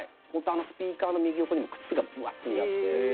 あのスピーカーの右横にも靴がブワ積んであって。